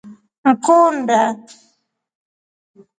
Mkuu unda.